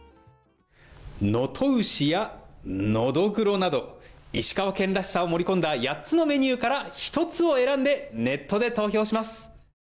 能登牛やのどぐろなど石川県らしさを盛り込んだ８つのメニューから１つを選んでネットで投票します。